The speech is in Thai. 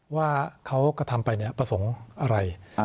ว่าเขากระทำไปประสงค์อะไร